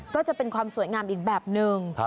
ก็จะเป็นความสวยงามอีกแบบนึง